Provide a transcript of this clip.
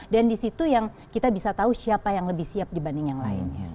dan disitu yang kita bisa tahu siapa yang lebih siap dibanding yang lain